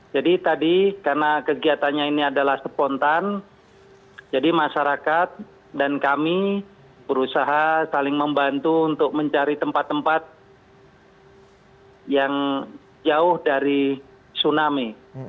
jadi tadi karena kegiatannya ini adalah spontan jadi masyarakat dan kami berusaha saling membantu untuk mencari tempat tempat yang jauh dari tsunami